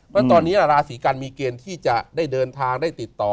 เพราะตอนนี้ราศีกันมีเกณฑ์ที่จะได้เดินทางได้ติดต่อ